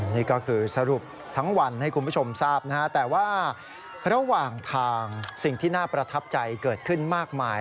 นี่ก็คือสรุปทั้งวันให้คุณผู้ชมทราบนะฮะแต่ว่าระหว่างทางสิ่งที่น่าประทับใจเกิดขึ้นมากมาย